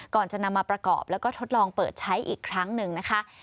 ก่อนจะนำมาประกอบแล้วก็ทดลองเปิดใช้อีกครั้งหนึ่งนะคะ